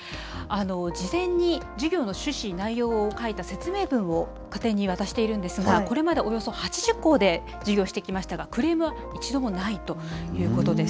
事前に授業の趣旨、内容を書いた説明文を家庭に渡しているんですが、これまでおよそ８０校で授業してきましたが、クレームは一度もないということです。